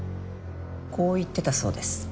こう言ってたそうです。